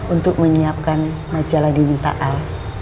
untuk menyiapkan majalah diminta al